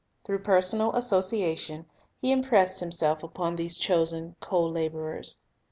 Through personal association He impressed Himself upon these chosen co laborers.